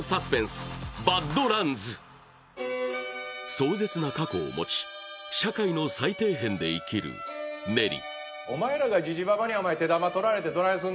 壮絶な過去を持ち、社会の最低辺で生きるネリ。